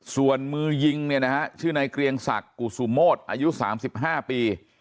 ส่วนมือยิงชื่อนายเกรียงสักกุสุโมทอายุ๓๕ปี